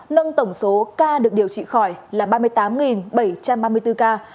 nâng tổng số ca được điều trị khỏi là ba mươi tám bảy trăm ba mươi bốn ca